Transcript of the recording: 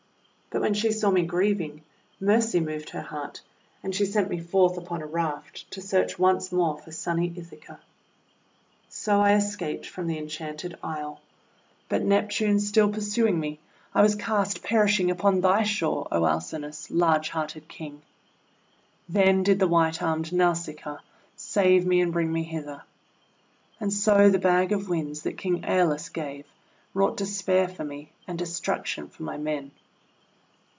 But when she saw me grieving, mercy moved her heart, and she sent me forth upon a raft to search once more for sunny Ithaca. So I escaped from the enchanted Isle, but Neptune, still pursuing me, I was cast perishing upon thy shore, O Alcinous, large hearted King! Then did the white armed Nausicaa save me and bring me hither. And so the bag of Winds that King ^Eolus gave, wrought despair for me and destruction for my men.